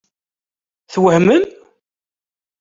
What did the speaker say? Twehmem?